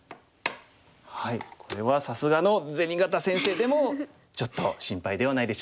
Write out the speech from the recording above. これはさすがのぜにがた先生でもちょっと心配ではないでしょうか。